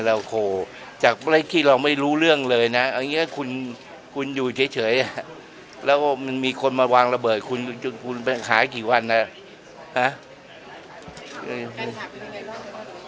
โอ้โฮรายช้าอย่างไรจากกลายคิดเราไม่รู้เรื่องเลยนะอย่างนี้คุณอยู่เฉยแล้วมีคนมาวางระเบิดคุณขายกี่วันแล้ว